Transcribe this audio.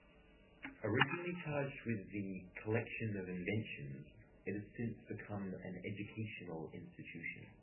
Originally charged with the collection of inventions, it has since become an educational institution.